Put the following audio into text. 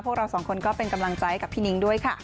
พวกเราสองคนก็เป็นกำลังใจกับพี่นิ้งด้วยค่ะ